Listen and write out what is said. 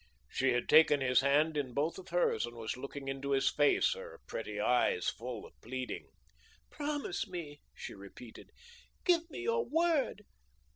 She had taken his hand in both of hers and was looking into his face, her pretty eyes full of pleading. "Promise me," she repeated; "give me your word.